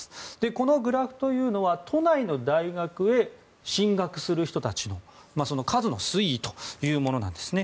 このグラフというのは都内の大学へ進学する人たちのその数の推移というものなんですね。